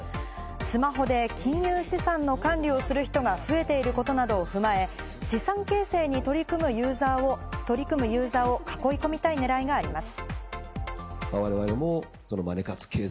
スマホで金融資産の管理をする人が増えていることなどを踏まえ、資産形成に取り組むユーザーを囲い込みたい狙いがあります。